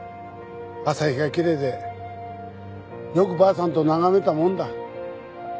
朝日がきれいでよくばあさんと眺めたもんだ。